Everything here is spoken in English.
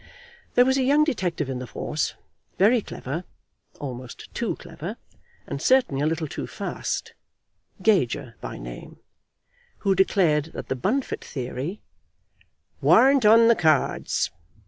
There was a young detective in the force, very clever, almost too clever, and certainly a little too fast, Gager by name, who declared that the Bunfit theory "warn't on the cards."